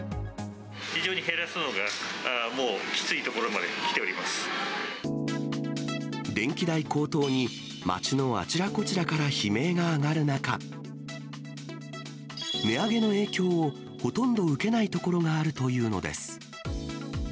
非常に減らすのがもうきつい電気代高騰に、街のあちらこちらから悲鳴が上がる中、値上げの影響をほとんど受けない所があるというのです。